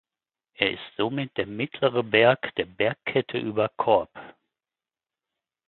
Er ist somit der mittlere Berg der Bergkette über Korb.